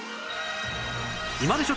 今でしょ！